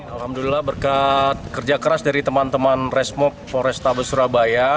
alhamdulillah berkat kerja keras dari teman teman resmob forestabes surabaya